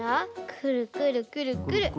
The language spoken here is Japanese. くるくるくるくる。